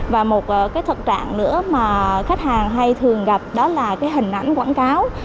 và một cái thực trạng nữa mà khách hàng hay thường gặp đó là cái hình ảnh quảng cáo